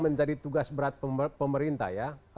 menjadi tugas berat pemerintah